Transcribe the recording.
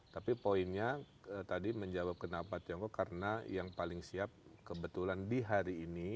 tapi poinnya tadi menjawab kenapa tiongkok karena yang paling siap kebetulan di hari ini